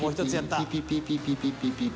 ピピピピピピピピピ